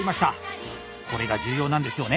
これが重要なんですよね？